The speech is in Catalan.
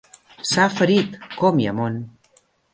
S'ha ferit!, com hi ha món!